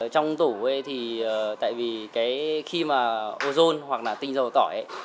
trong tủ thì tại vì khi mà ozone hoặc là tinh dầu tỏi